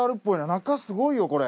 中すごいよこれ。